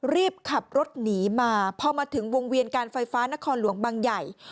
รีบขับรถหนีมาพอมาถึงวงเวียนการไฟฟ้านครหลวงบางใหญ่